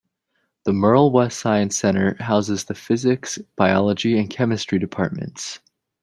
The Merle West Science Center houses the Physics, Biology, and Chemistry Departments.